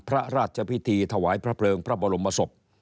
พระราชพิธีถวายพระเพลิงพระบรมศพ